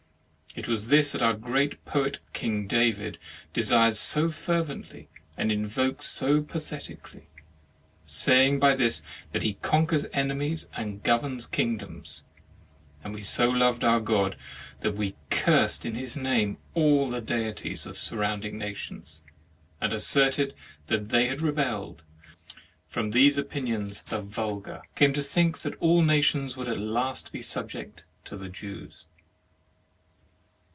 It was this that our great poet King David desired so fervently, and invokes so pathetically, saying by this he conquers enemies and governs kingdoms; and we so loved our Ggd that we cursed in His i3 THE MARRIAGE OF name all the deities of surrounding nations, and asserted that they had rebelled. From these opinions the vulgar came to think that all nations would at last be subject to the Jews.